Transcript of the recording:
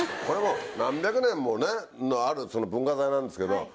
これはもう何百年もある文化財なんですけど。